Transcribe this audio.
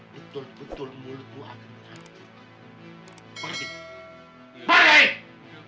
betul betul mulutku akan merantik